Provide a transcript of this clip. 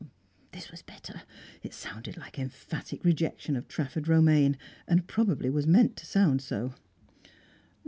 This was better. It sounded like emphatic rejection of Trafford Romaine, and probably was meant to sound so.